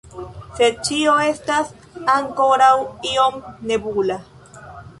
Sed ĉio estas ankoraŭ iom nebula.